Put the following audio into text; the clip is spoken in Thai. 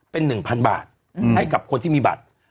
เป็น๑๐๐๐บาทให้กับคนที่มีบัตร